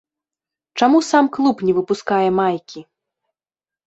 Чаму сам клуб не выпускае майкі?